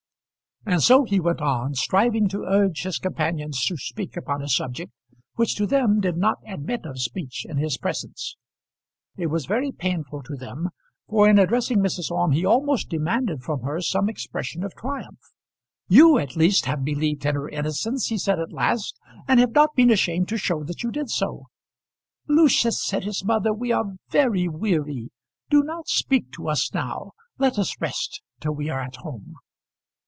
And so he went on, striving to urge his companions to speak upon a subject which to them did not admit of speech in his presence. It was very painful to them, for in addressing Mrs. Orme he almost demanded from her some expression of triumph. "You at least have believed in her innocence," he said at last, "and have not been ashamed to show that you did so." "Lucius," said his mother, "we are very weary; do not speak to us now. Let us rest till we are at home."